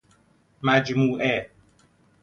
مجموعه